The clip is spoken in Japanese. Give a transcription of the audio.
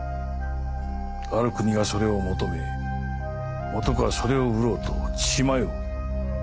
ある国がそれを求め男はそれを売ろうと血迷う。